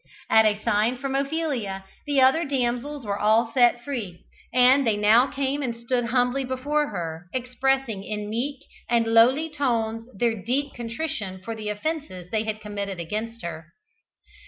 At a sign from Ophelia, the other damsels were all set free, and they now came and stood humbly before her, expressing in meek and lowly tones their deep contrition for the offences they had committed against her.